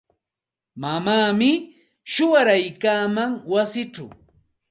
Mamaami shuwaraykaaman wasichaw.